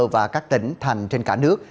và các tỉnh thành trên cả nước